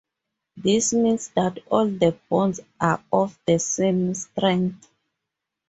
This means that all the bonds are of the same strength.